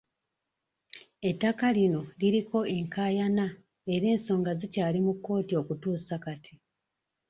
Ettaka lino liriko enkaayana era ensonga zikyali mu Kkooti okutuusa kati.